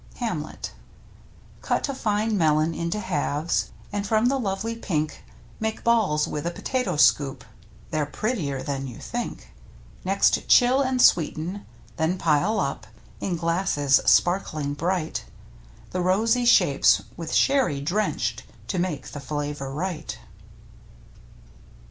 — Hamlet. Cut a fine melon into halves. And from the lovely pink Make balls with a potato scoop — They're prettier than you think. Next chill and sweeten, then pile up In glasses sparkling bright. The rosy shapes with sherry drenched To make the flavor right.